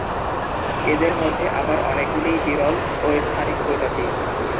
এদের মধ্যে আবার অনেকগুলিই বিরল ও স্থানিক প্রজাতি।